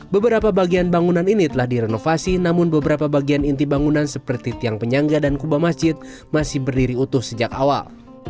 beberapa bagian bangunan ini telah direnovasi namun beberapa bagian inti bangunan seperti tiang penyangga dan kuba masjid masih berdiri utuh sejak awal